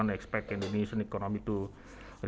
semua orang mengharapkan ekonomi indonesia